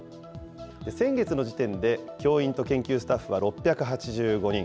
先月の時点で、教員と研究スタッフは６８５人。